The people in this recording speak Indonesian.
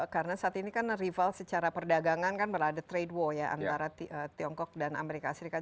karena saat ini kan rival secara perdagangan kan berada trade war ya antara tiongkok dan amerika serikat